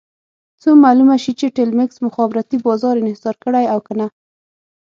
څو معلومه شي چې ټیلمکس مخابراتي بازار انحصار کړی او که نه.